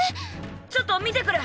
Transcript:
ちょっと見てくる！